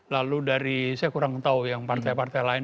lalu dari saya kurang tahu yang partai partai lain